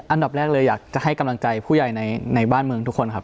อันดับแรกเลยอยากจะให้กำลังใจผู้ใหญ่ในบ้านเมืองทุกคนครับ